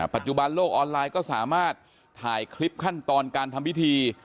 ปัจจุบันโลกออนไลน์ก็สามารถถ่ายคลิปขั้นตอนการทำพิธี